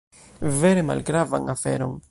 Vere malgravan aferon.